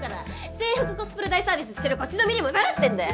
制服コスプレ大サービスしてるこっちの身にもなれってんだよ！